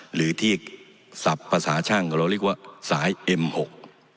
หรือที่สับภาษาช่างเขาเราเรียกว่าสายเอ็มหก